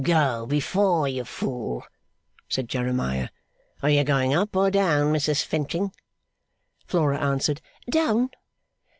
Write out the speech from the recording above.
'Go before, you fool!' said Jeremiah. 'Are you going up, or down, Mrs Finching?' Flora answered, 'Down.